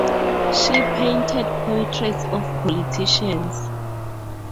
She painted portraits of politicians.